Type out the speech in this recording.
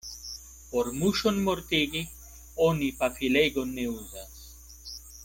Por muŝon mortigi, oni pafilegon ne uzas.